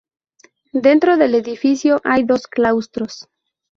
Dentro del edificio hay dos claustros.